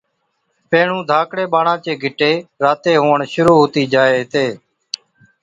پيهڻُون ڌاڪڙان ٻاڙان چي گِٽي راتي هُوَڻ شرُوع هُتِي جائي هِتي